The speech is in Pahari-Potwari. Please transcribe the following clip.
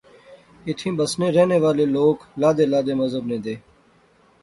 ایتھیں بسنے رہنے والے لوک لادے لادے مذہب نے دے